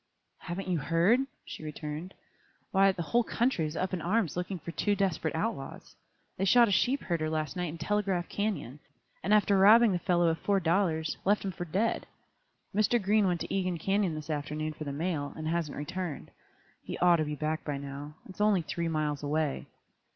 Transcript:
"Haven't you heard?" she returned. "Why, the whole country is up in arms looking for two desperate outlaws. They shot a sheep herder last night in Telegraph Canyon, and after robbing the fellow of four dollars, left him for dead. Mr. Green went to Egan Canyon this afternoon for the mail, and hasn't returned. He ought to be back by now. It is only three miles away."